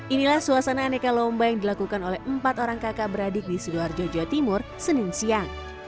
inilah suasana aneka lomba yang dilakukan oleh empat orang kakak beradik di sidoarjo jawa timur senin siang